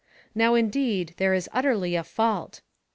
Now indeed there is utterly a fault.